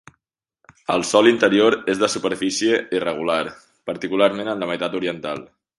El sòl interior és de superfície irregular, particularment en la meitat oriental.